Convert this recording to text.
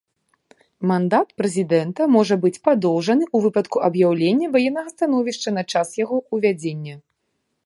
Мандат прэзідэнта можа быць падоўжаны ў выпадку аб'яўлення ваеннага становішча на час яго ўвядзення.